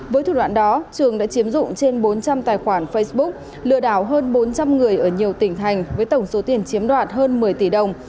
với thủ đoạn đó trường đã chiếm dụng trên bốn trăm linh tài khoản facebook lừa đảo hơn bốn trăm linh người ở nhiều tỉnh thành với tổng số tiền chiếm đoạt hơn một mươi tỷ đồng